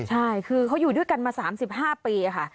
ใช่คือเขาอยู่ด้วยกันมา๓๕ปีค่ะ